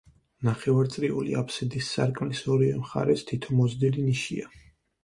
ნახევარწრიული აფსიდის სარკმლის ორივე მხარეს თითო მოზრდილი ნიშია.